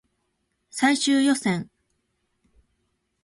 最終予選